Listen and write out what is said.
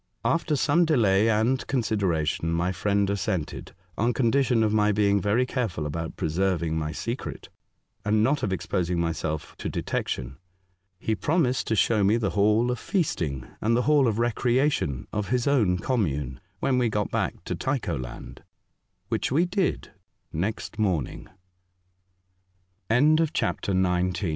After some delay and consideration, my friend assented, on con dition of my being very careful about pre serving my secret, and not of exposing myself to detection. He promised to show me the Hall of Feasting and the Hall of Recreation of his own commune, when we got back to Tycho lan